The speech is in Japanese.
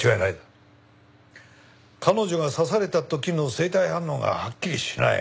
彼女が刺された時の生体反応がはっきりしない。